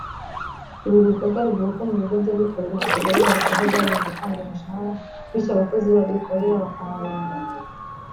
uru rugaga ruvuga ko mu bigo by’abikorera hakigaragara akajagari mu gutanga imishahara bityo abakozi babikorera bakaharenganira